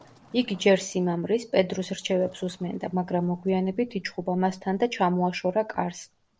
იგი ჯერ სიმამრის, პედრუს რჩევებს უსმენდა, მაგრამ მოგვიანებით იჩხუბა მასთან და ჩამოაშორა კარს.